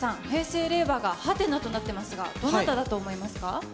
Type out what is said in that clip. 平成・令和がはてなとなってますが、どなただと思いますか？